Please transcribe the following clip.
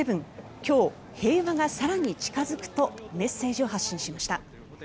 今日、平和が更に近付くとメッセージを発信しました。